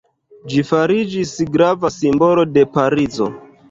Ĝi fariĝis grava simbolo de Parizo.